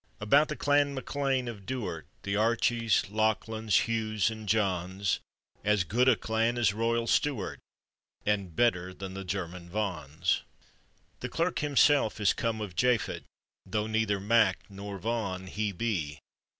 About the Clan MacLean of Duard, The Archies, Lachlans, Hughs and Johns; As good a clan as royal Stuart, And better than the German " Vons." The clerk himself is come of Japhet, Though neither " Mac " nor " Von " he be.